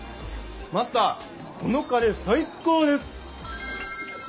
マスターこのカレー最高です！